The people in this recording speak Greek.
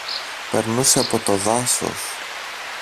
Περνούσε από το δάσος.